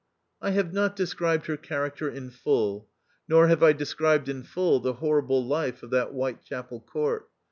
I have not described her character in full ; nor have I described in full the horrible life of that Whitechapel court.